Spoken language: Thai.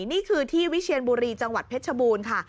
นี่คือที่วิเชียนบุรีจังหวัดเพชรชบูรณ์ค่ะ